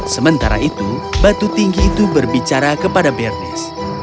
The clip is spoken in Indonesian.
sementara itu batu tinggi itu berbicara kepada bernis